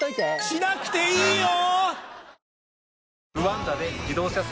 しなくていいよ！